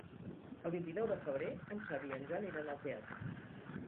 El vint-i-nou de febrer en Xavi i en Joan iran al teatre.